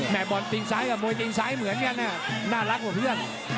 บอลตีนซ้ายกับมวยตีนซ้ายเหมือนกันน่ารักกว่าเพื่อน